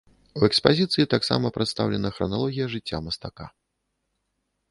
У экспазіцыі таксама прадстаўлена храналогія жыцця мастака.